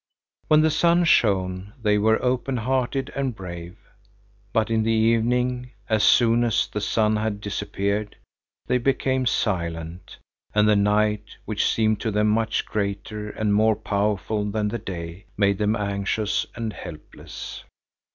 When the sun shone, they were open hearted and brave, but in the evening, as soon as the sun had disappeared, they became silent; and the night, which seemed to them much greater and more powerful than the day, made them anxious and helpless.